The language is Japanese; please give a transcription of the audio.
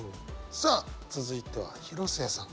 さあ続いては広末さん。